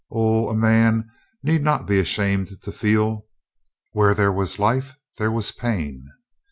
O, a man need not be ashamed to feel. Where there was life there was pain.